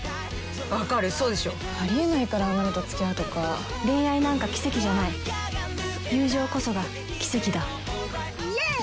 わかるそうでしょありえないからあんなのとつきあうとか恋愛なんか奇跡じゃない友情こそが奇跡だイエイ！